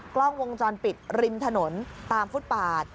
กล้องวงจรปิดริมถนนตามฟุตปาด